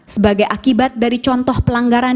sebagai akibat dari contoh pelanggaran